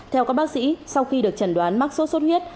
theo các bác sĩ sau khi được trần đoán mắc sốt xuất huyết